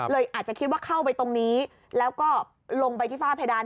อาจจะคิดว่าเข้าไปตรงนี้แล้วก็ลงไปที่ฝ้าเพดาน